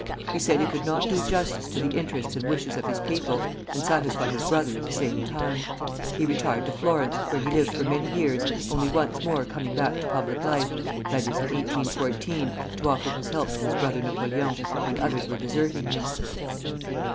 He said he could not do justice to the interests and wishes of his people, and satisfy his brother at the same time. He retired to Florence, where he lived for many years, only once more coming back to public life, viz., in 1814, to offer his help to his brother Napoleon, when others were deserting him.